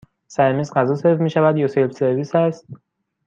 سر میز غذا سرو می شود یا سلف سرویس هست؟